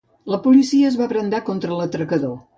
El policia es va abraonar contra l'atracador.